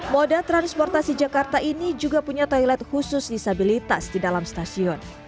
moda transportasi jakarta ini juga punya toilet khusus disabilitas di dalam stasiun